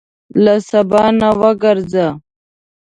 له سبا نه وګرځه.